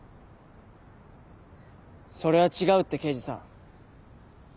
それは違うって刑事さん。